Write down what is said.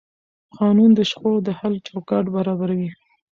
قانون د شخړو د حل چوکاټ برابروي.